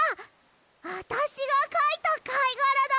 あたしがかいたかいがらだ！